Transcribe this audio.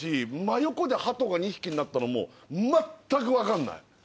真横でハトが２匹になったのもまったく分かんない。